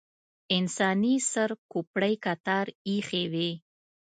انساني سر کوپړۍ کتار ایښې وې.